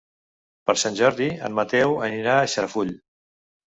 Per Sant Jordi en Mateu anirà a Xarafull.